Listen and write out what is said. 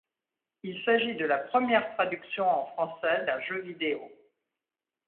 Il s'agit de la première traduction en français d'un jeu vidéo.